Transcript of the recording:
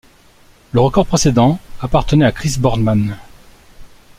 Le record précédent appartenait à Chris Boardman.